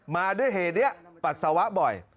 มาด้วยเหตุนี้ปัสสาวะบ่อย